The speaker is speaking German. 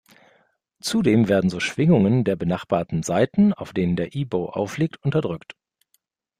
Zudem werden so Schwingungen der benachbarten Saiten, auf denen der E-Bow aufliegt, unterdrückt.